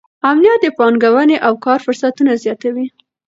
امنیت د پانګونې او کار فرصتونه زیاتوي.